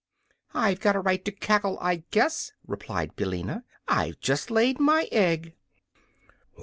"I've got a right to cackle, I guess," replied Billina. "I've just laid my egg."